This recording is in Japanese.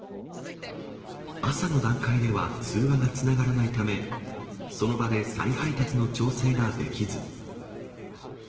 朝の段階では通話がつながらないため、その場で再配達の調整ができず。